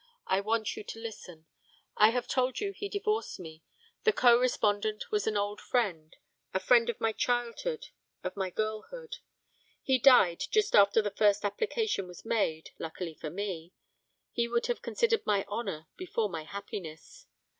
I want you to listen I have told you he divorced me, the co respondent was an old friend, a friend of my childhood, of my girlhood. He died just after the first application was made, luckily for me. He would have considered my honour before my happiness.